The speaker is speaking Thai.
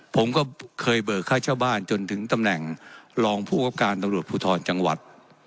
ผมก็เคยเบิกค่าเช่าบ้านจนถึงตำแหน่งรองผู้กับการตำรวจภูทรจังหวัด